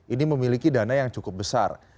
ini memiliki dana yang cukup besar